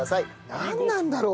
なんなんだろう？